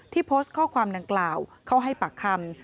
โพสต์ข้อความดังกล่าวเข้าให้ปากคำ